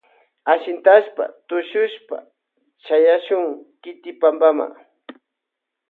Ashintashpa tushushpa chayashun kiti pampama.